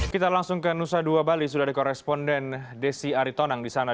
kita langsung ke nusa dua bali sudah ada koresponden desi aritonang di sana